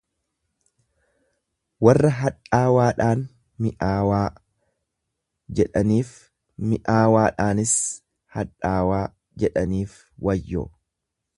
Warra hadhaawaadhaan mi'aawaa jedhaniif, mi'aawaadhaas hadhaawaa jedhaniif wayyoo!